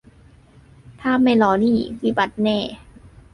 ถ้าไม่รอนี่วิบัติแน่